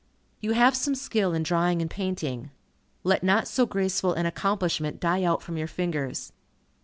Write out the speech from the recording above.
You have some skill in drawing and painting. Let not so graceful an accomplishment die out from your fingers.